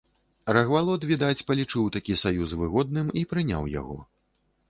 Рагвалод, відаць, палічыў такі саюз выгодным і прыняў яго.